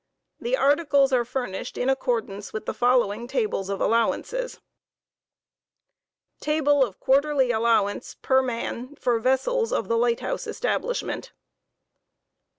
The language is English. The articles are furnished in accordance with the following tables of allowances: > Table of quarterly allowance per man for vessels of the Light Souse Establishment.